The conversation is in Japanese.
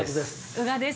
◆宇賀です。